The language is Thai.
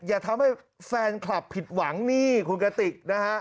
อย่าทำให้แฟนคลับผิดหวังนี่คุณกติกนะฮะ